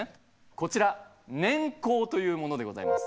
こちら「年縞」というものでございます。